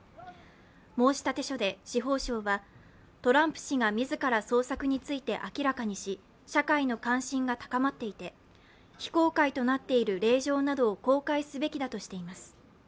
申し立て書で司法省は、トランプ氏が自ら捜索について明らかにし、社会の関心が高まっていて、非公開となっている令状などを公開すべきだとしています。